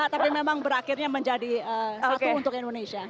tapi memang berakhirnya menjadi satu untuk indonesia